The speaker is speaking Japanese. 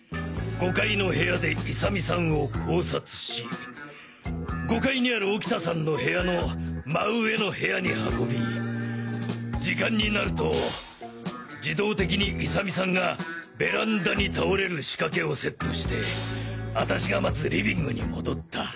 ５階の部屋で勇美さんを絞殺し５階にある沖田さんの部屋の真上の部屋に運び時間になると自動的に勇美さんがベランダに倒れる仕掛けをセットして私が待つリビングに戻った。